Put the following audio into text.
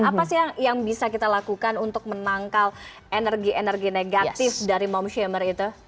apa sih yang bisa kita lakukan untuk menangkal energi energi negatif dari mom shamer itu